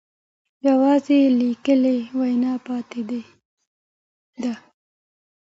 یوازې لیکلې وینا پاتې ده.